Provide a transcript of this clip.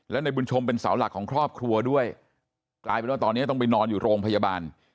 แล้วในบุญชมเป็นเสาหลักของครอบครัวด้วยกลายเป็นว่าตอนนี้ต้องไปนอนอยู่โรงพยาบาล